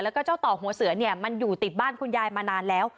แล้วก็เจ้าต่อหัวเสือเนี่ยมันอยู่ติดบ้านคุณยายมานานแล้ว